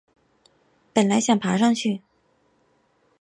本来想爬上去